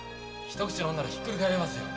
飲んだらひっくり返ります〕